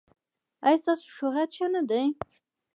ایا ستاسو شهرت ښه نه دی؟